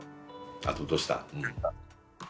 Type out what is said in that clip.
あとどうした？